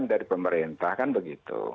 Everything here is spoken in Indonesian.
dari pemerintah kan begitu